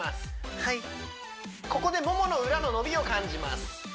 はいここでモモの裏の伸びを感じます